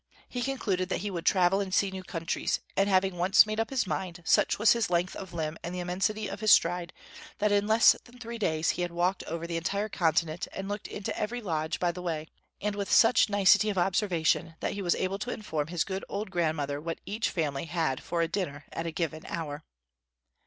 He concluded that he would travel and see new countries; and having once made up his mind, such was his length of limb and the immensity of his stride, that in less than three days he had walked over the entire continent and looked into every lodge by the way and with such nicety of observation that he was able to inform his good old grandmother what each family had for a dinner at a given hour.